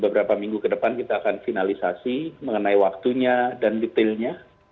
beberapa minggu ke depan kita akan finalisasi mengenai waktunya dan detailnya